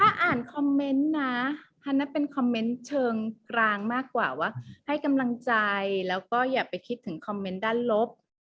ถ้าอ่านคอมเมนต์นะอันนั้นเป็นคอมเมนต์เชิงกลางมากกว่าว่าให้กำลังใจแล้วก็อย่าไปคิดถึงคอมเมนต์ด้านลบ